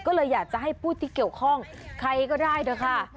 ก็เลยอยากจะให้ผู้ที่เกี่ยวข้องใครก็ได้เถอะค่ะ